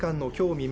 未明